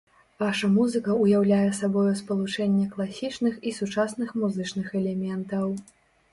Ваша музыка ўяўляе сабою спалучэнне класічных і сучасных музычных элементаў.